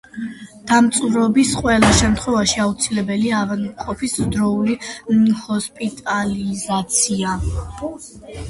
დამწვრობის ყველა შემთხვევაში აუცილებელია ავადმყოფის დროული ჰოსპიტალიზაცია.